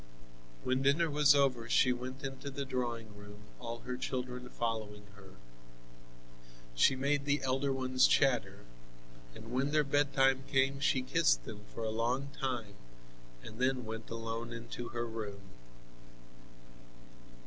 When dinner was over she went into the drawing room, all her children following her. She made the elder ones chatter, and when their bedtime came she kissed them for a long time and then went alone into her room.